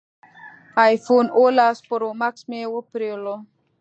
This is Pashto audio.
ایفون اوولس پرو ماکس مې وپېرلو